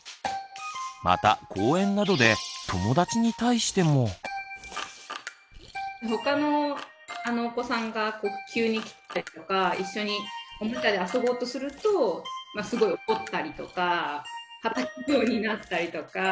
また公園などでほかのお子さんが急に来たりとか一緒におもちゃで遊ぼうとするとすごい怒ったりとかたたくようになったりとか。